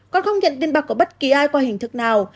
con không nhận tiền bạc của bất kỳ ai qua hình thức nào